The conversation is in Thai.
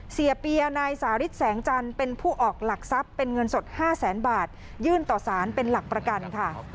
เปียนายสาริสแสงจันทร์เป็นผู้ออกหลักทรัพย์เป็นเงินสด๕แสนบาทยื่นต่อสารเป็นหลักประกันค่ะ